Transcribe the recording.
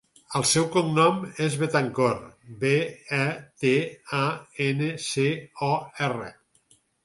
El seu cognom és Betancor: be, e, te, a, ena, ce, o, erra.